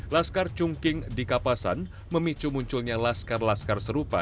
laskar cungking di kapasan memicu munculnya laskar laskar serupa